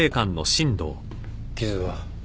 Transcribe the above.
傷は？